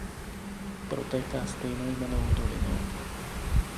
Protéká stejnojmennou dolinou.